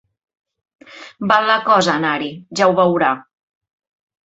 Val la cosa anar-hi, ja ho veurà.